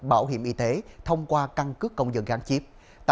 bảo hiểm y tế thông qua căn cứ công dân gắn chiếp